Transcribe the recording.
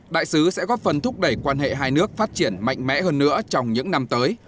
đại sứ sẽ góp phần thúc đẩy quan hệ hai nước phát triển mạnh mẽ hơn nữa trong những năm tới